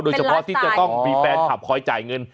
โดยเฉพาะที่จะต้องมีแฟนคลับคอยจ่ายเงิน